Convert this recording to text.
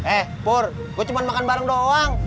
eh pur gue cuma makan bareng doang